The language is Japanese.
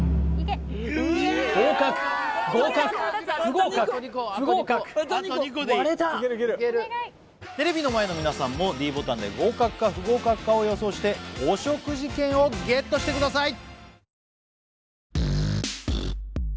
合格合格不合格不合格割れたテレビの前の皆さんもｄボタンで合格か不合格かを予想してお食事券をＧＥＴしてください